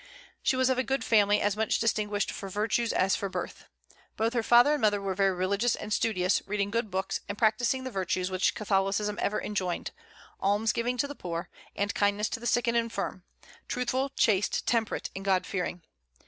She was of a good family as much distinguished for virtues as for birth. Both her father and mother were very religious and studious, reading good books, and practising the virtues which Catholicism ever enjoined, alms giving to the poor, and kindness to the sick and infirm, truthful, chaste, temperate, and God fearing.